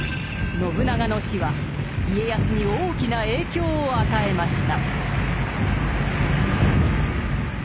信長の死は家康に大きな影響を与えました。